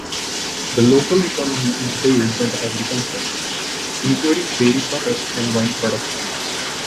The local economy is based on agriculture, including dairy products and wine production.